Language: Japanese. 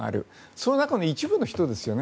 その中の一部の人ですよね。